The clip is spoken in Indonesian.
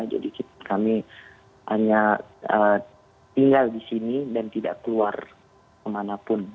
kami hanya tinggal di sini dan tidak keluar kemanapun